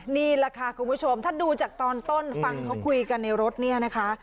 นี่แหละค่ะคุณผู้ชมถ้าดูจากตอนต้นฟังเขาคุยกันในรถเนี่ยนะคะ